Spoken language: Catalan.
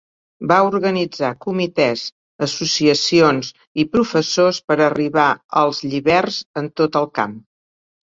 Va organitzar comitès, associacions i professors per arribar als lliberts en tot el camp.